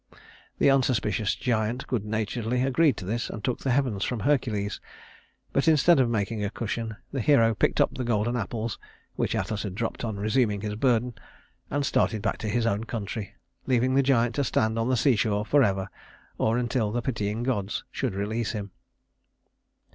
The unsuspicious giant good naturedly agreed to this, and took the heavens from Hercules; but instead of making a cushion, the hero picked up the golden apples, which Atlas had dropped on resuming his burden, and started back to his own country, leaving the giant to stand on the seashore forever, or until the pitying gods should release him.